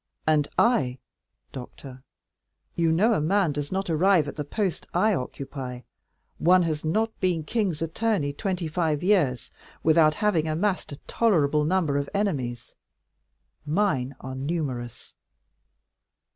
And I, doctor—you know a man does not arrive at the post I occupy—one has not been king's attorney twenty five years without having amassed a tolerable number of enemies; mine are numerous.